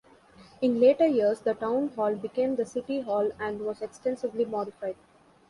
In later years, the Town Hall became the City Hall and was extensively modified.